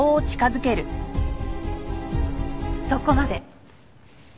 そこまで。